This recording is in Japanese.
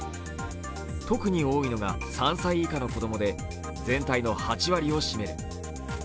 特に多いのが３歳以下の子供で全体の８割を占める。